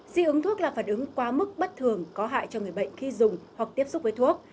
dị ứng thuốc là phản ứng quá mức bất thường có hại cho người bệnh khi dùng hoặc tiếp xúc với thuốc